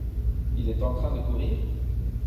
Il est en train de courir ?